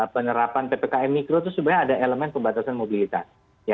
penerapan ppkm mikro itu sebenarnya ada elemen pembatasan mobilitas